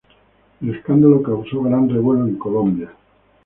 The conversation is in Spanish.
El escándalo causó gran revuelo en Colombia.